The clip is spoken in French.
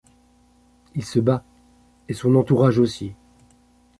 Il se bat et son entourage aussi.